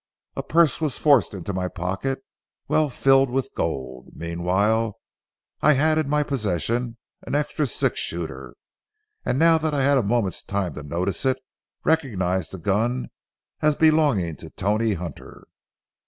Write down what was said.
A purse was forced into my pocket, well filled with gold. Meanwhile I had in my possession an extra six shooter, and now that I had a moment's time to notice it, recognized the gun as belonging to Tony Hunter.